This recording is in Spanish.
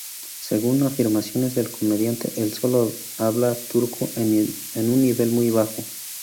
Según afirmaciones del comediante el solo habla turco en un nivel muy bajo.